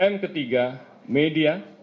m ketiga media